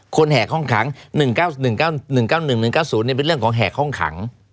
แห่ห้องขัง๑๙๑๙๑๑๙๐เป็นเรื่องของแหกห้องขัง